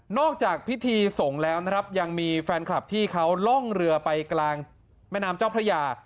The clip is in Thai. จากพิธีส่งแล้วนะครับยังมีแฟนคลับที่เขาล่องเรือไปกลางแม่น้ำเจ้าพระยา